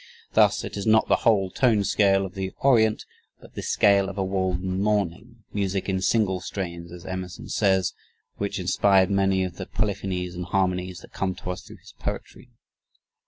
Thus it is not the whole tone scale of the Orient but the scale of a Walden morning "music in single strains," as Emerson says, which inspired many of the polyphonies and harmonies that come to us through his poetry.